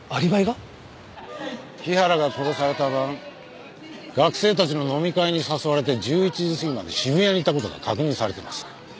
日原が殺された晩学生たちの飲み会に誘われて１１時過ぎまで渋谷にいた事が確認されています。